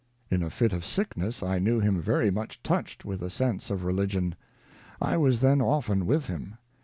In a fit of sickness I knew him very much touched with a sense of religion. I was then often with him.